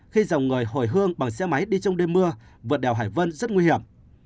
khi dòng người hồi hương bằng xe máy đi trong đêm mưa vượt đèo hải vân rất nguy hiểm